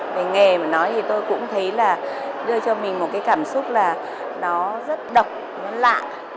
về nghề mà nói thì tôi cũng thấy là đưa cho mình một cái cảm xúc là nó rất độc nó lạ